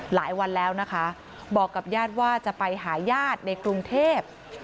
หลายวันแล้วนะคะบอกกับญาติว่าจะไปหาญาติในกรุงเทพ